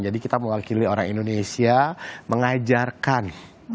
jadi kita mewakili orang indonesia mengajarkan